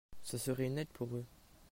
Ce serait une aide pour eux.